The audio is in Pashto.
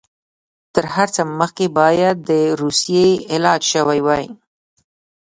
تر هر څه مخکې باید د روسیې علاج شوی وای.